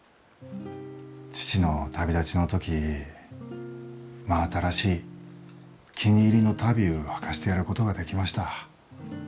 父の旅立ちの時真新しい気に入りの足袋うはかせてやることができました。